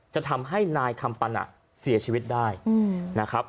จะทำให้นายคำปันเสียชีวิตได้นะครับ